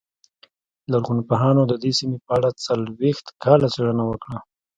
لرغونپوهانو د دې سیمې په اړه څلوېښت کاله څېړنه وکړه